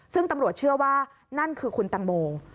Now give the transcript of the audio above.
ซึ่งตำรวจเชื่อว่านั่นคือคุณตังโม